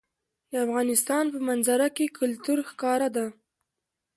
د افغانستان په منظره کې کلتور ښکاره ده.